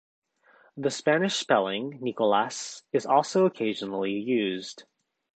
The Spanish spelling, "Nicolas" is also occasionally used.